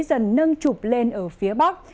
dần nâng trụp lên ở phía bắc